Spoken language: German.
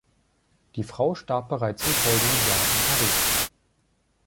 Die Frau starb bereits im folgenden Jahr in Paris.